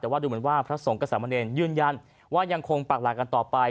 แต่ว่าดูเหมือนว่าพระสงฆ์กับสามเณรยืนยันว่ายังคงปักหลักกันต่อไป